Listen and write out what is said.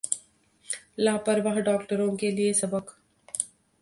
लापरवाह डॉक्टरों के लिए सबक